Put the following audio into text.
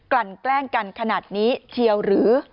ลั่นแกล้งกันขนาดนี้เชียวหรือ